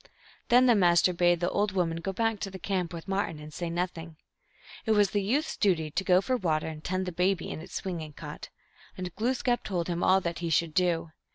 Then the Master bade the old woman go back to the camp with Martin, and say nothing. It was the youth s duty to go for water and tend the baby in its swinging cot. And Glooskap told him all that he should do.